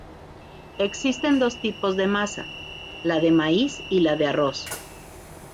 Existen dos tipos de masa, la de maíz y la de arroz.